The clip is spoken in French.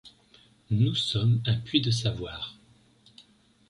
Nous sommes un puits de savoir.